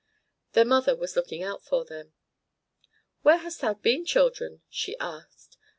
Their mother was looking out for them. "Where hast thou been, children?" she asked.